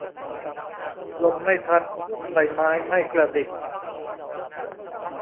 ลมไม่พัด ใบไม้ไม่กระดิก